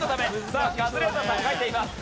さあカズレーザーさん書いています。